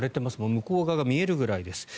向こう側が見えるぐらいです。